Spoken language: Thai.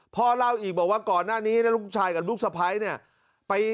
พ่อเล่าอีกบอกว่าก่อนหน้านี้นะลูกชายกับลูกสะพ้ายเนี่ย